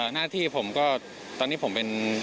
หน้าที่ผมก็ตอนนี้ผมเป็น